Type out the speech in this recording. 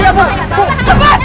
ya pak makasih ya pak